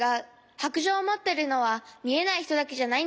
白杖をもってるのはみえないひとだけじゃないんだよ。